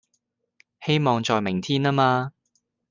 希望在明天啊嘛